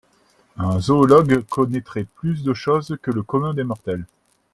Un zoologue connaîtrait plus de choses que le commun des mortels.